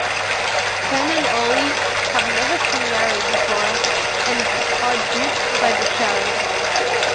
Stan and Ollie have never seen Mary before, and are duped by the charade.